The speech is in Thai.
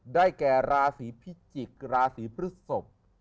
ได้แก่ราศีพิจิกษ์ราศีพฤศพ